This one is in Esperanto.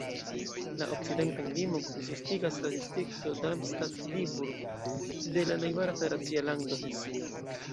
La okcidentan limon konsistigas la distrikto Darmstadt-Dieburg de la najbara federacia lando Hesio.